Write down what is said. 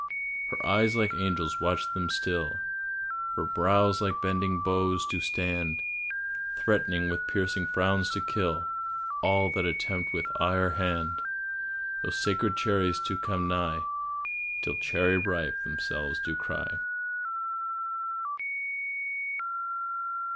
Her eyes like angels watch them still, Her brows like bended bows do stand, Threatening with piercing frowns to kill All that attempt with eye or hand Those sacred cherries to come nigh Till "Cherry ripe" themselves do cry.